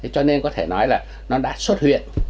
cho nên có thể nói là nó đã xuất hiện